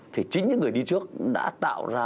thì chính những người đi trước đã tạo ra